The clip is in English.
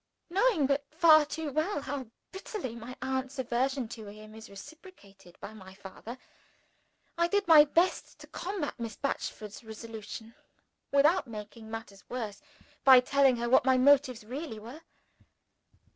Knowing but too well how bitterly my aunt's aversion to him is reciprocated by my father, I did my best to combat Miss Batchford's resolution without making matters worse by telling her what my motives really were.